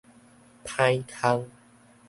歹空